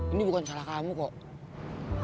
ini bukan salah kamu kok